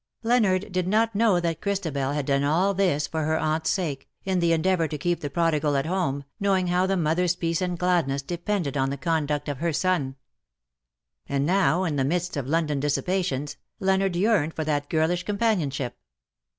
Leonard did not know that Christabel had done all this for her aunt's sake^ in the endeavour to keep the prodigal at home, knowing how the mother^s peace and gladness depended on the conduct of her son. And now, in the midst of Loudon dissipations, Leonard yearned for that girlish companionship.